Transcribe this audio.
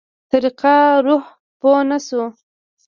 طريقه روح پوه نه شو.